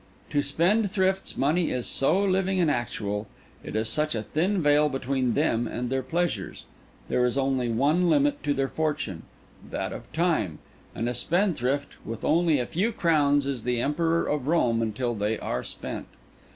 To spendthrifts money is so living and actual—it is such a thin veil between them and their pleasures! There is only one limit to their fortune—that of time; and a spendthrift with only a few crowns is the Emperor of Rome until they are spent.